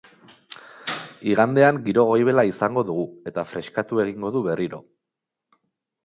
Igandean giro goibela izango dugu, eta freskatu egingo du berriro.